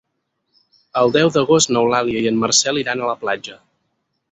El deu d'agost n'Eulàlia i en Marcel iran a la platja.